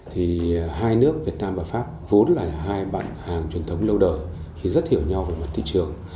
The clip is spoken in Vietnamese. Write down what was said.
thì hai nước việt nam và pháp vốn là hai bạn hàng truyền thống lâu đời thì rất hiểu nhau về mặt thị trường